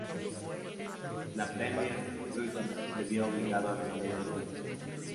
La Premier Cruises se vio obligado a vender el buque.